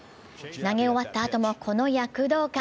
投げ終わったあともこの躍動感。